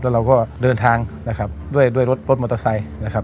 แล้วเราก็เดินทางด้วยรถมอเตอร์ไซค์นะครับ